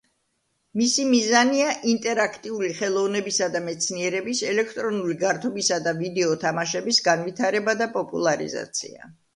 მისი მიზანია „ინტერაქტიული ხელოვნებისა და მეცნიერების“, ელექტრონული გართობისა და ვიდეო თამაშების განვითარება და პოპულარიზაცია.